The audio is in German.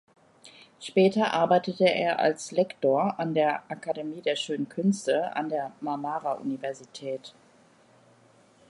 Später arbeitete er als Lektor an der Akademie der Schönen Künste an der Marmara-Universität.